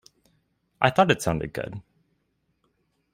I thought it sounded good.